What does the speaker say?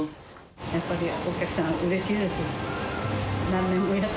やっぱりお客さん、うれしいです。